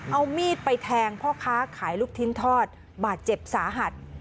เอามีดไปแทงพ่อค้าขายลูกชิ้นทอดบาดเจ็บสาหัส